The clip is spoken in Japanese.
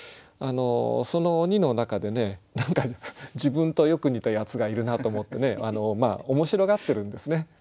あのその鬼の中で何か自分とよく似たやつがいるなと思って面白がってるんですね。